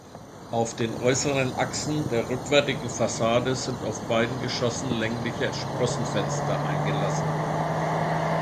Auf den äußeren Achsen der rückwärtigen Fassade sind auf beiden Geschossen längliche Sprossenfenster eingelassen.